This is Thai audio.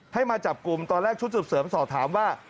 ให้มาจับกลุ่มตอนแรกชุดสืบเสริมสอบถามว่า